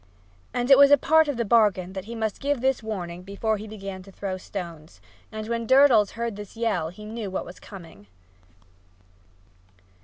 It was a part of the bargain that he must give this warning before he began to throw the stones, and when Durdles heard this yell he knew what was coming.